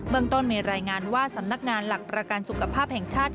เมืองต้นมีรายงานว่าสำนักงานหลักประกันสุขภาพแห่งชาติ